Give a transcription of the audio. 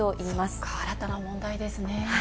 そっか、新たな問題ですね。